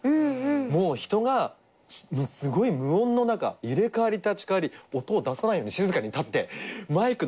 もう人がすごい無音の中入れ替わり立ち替わり音を出さないように静かに立ってマイクの前に入って。